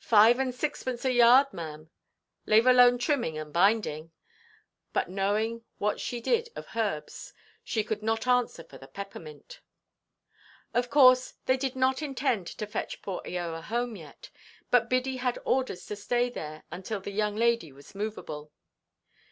"Five–and–sixpence a yard, maʼam, lave alone trimming and binding." But, knowing what she did of herbs, she could not answer for the peppermint. Of course, they did not intend to fetch poor Eoa home yet; but Biddy had orders to stay there until the young lady was moveable.